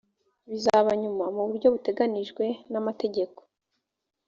bizaba nyuma mu buryo buteganyijwe n’amategeko